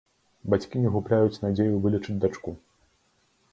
Бацькі не губляюць надзею вылечыць дачку.